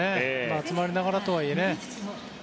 詰まりながらとはいえね。